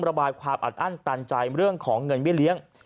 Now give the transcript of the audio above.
ระบายความอัดอั้นตันใจเรื่องของเงินเบี้เลี้ยง